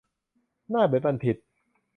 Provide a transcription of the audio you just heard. หน้าเหมือนบัณฑิต